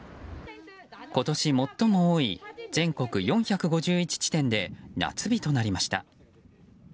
今年最も多い全国４５１地点で夏日となりました。